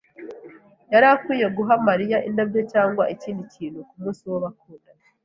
yari akwiye guha Mariya indabyo cyangwa ikindi kintu kumunsi w'abakundana.